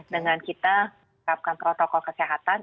dengan kita terapkan protokol kesehatan